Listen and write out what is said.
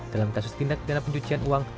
dalam kasus tindak pidana pencucian uang